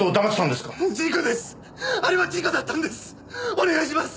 お願いします！